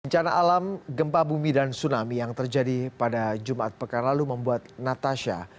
bencana alam gempa bumi dan tsunami yang terjadi pada jumat pekan lalu membuat natasha